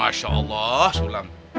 masya allah sulam